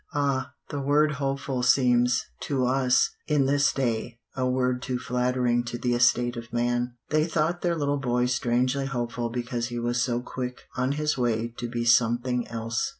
Ah! the word "hopeful" seems, to us, in this day, a word too flattering to the estate of man. They thought their little boy strangely hopeful because he was so quick on his way to be something else.